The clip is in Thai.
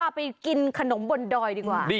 ไปกินขนมบนดอยดีกว่า